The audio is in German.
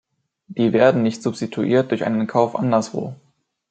Die werden nicht substituiert durch einen Kauf anderswo.